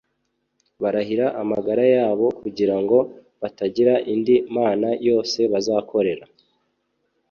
barahira amagara yabo kugira ngo batagira indi mana yose bazakorera